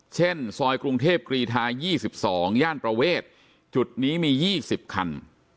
เช่นซอยกรุงเทพกรีทา๒๒ย่านประเวทจุดนี้มี๒๐คัน